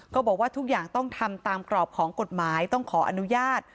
บอกว่าทุกอย่างต้องทำตามกรอบของกฎหมายต้องขออนุญาต